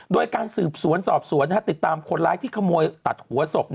โดยการสืบสวนสอบสวนติดตามคนร้ายที่ขโมยตัดหัวศพ